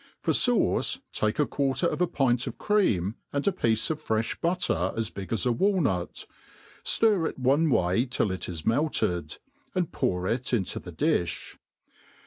For fauce take a quarter of a pint of cream, and a piece of frefli butter as big as a wal nut ; ftir it one way till it is melted, and pour it into the diib.